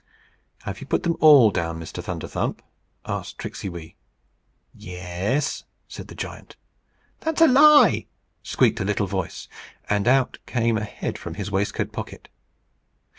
"Have you put them all down, Mr. Thunderthump?" asked Tricksey Wee. "Yes," said the giant. "That's a lie!" squeaked a little voice; and out came a head from his waistcoat pocket.